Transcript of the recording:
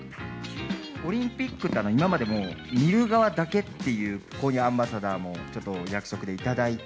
オリンピックは今まで見る側だけっていう、こういうアンバサダーもちょっと役職でいただいて。